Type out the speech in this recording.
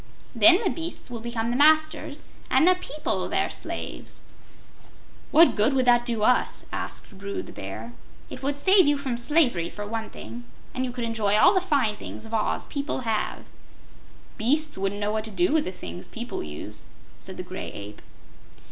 Then the beasts will become the masters and the people their slaves." "What good would that do us?" asked Bru the Bear. "It would save you from slavery, for one thing, and you could enjoy all the fine things of Oz people have." "Beasts wouldn't know what to do with the things people use," said the Gray Ape.